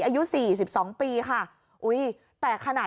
อายุ๔๒ปีค่ะ